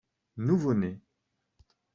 nouveau-né.